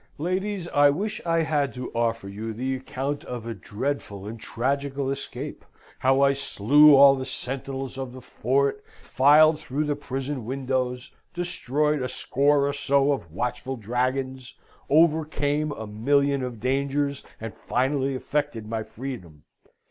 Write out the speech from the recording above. Ladies, I wish I had to offer you the account of a dreadful and tragical escape; how I slew all the sentinels of the fort; filed through the prison windows, destroyed a score or so of watchful dragons, overcame a million of dangers, and finally effected my freedom.